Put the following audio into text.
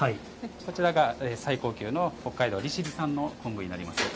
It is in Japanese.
こちらが最高級の北海道利尻産の昆布になります。